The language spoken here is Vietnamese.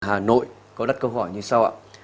hà nội có đặt câu hỏi như sau ạ